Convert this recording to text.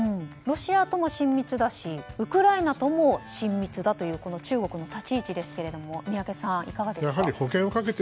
ロシアとも親密だしウクライナとも親密だという中国の立ち位置ですが宮家さん、いかがですか。